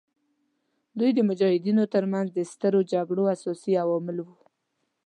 دوی د مجاهدینو تر منځ د سترو جګړو اساسي عوامل وو.